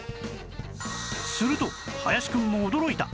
すると林くんも驚いた！